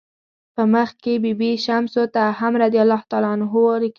په مخ کې بي بي شمسو ته هم "رضی الله عنه" لیکي.